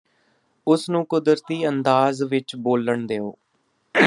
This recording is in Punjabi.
ਉਸ ਨੂੰ ਕੁਦਰਤੀ ਅੰਦਾਜ਼ ਵਿਚ ਬੋਲਣ ਦਿਓ